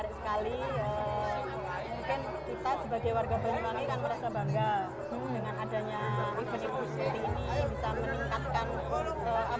dengan adanya event event seperti ini bisa meningkatkan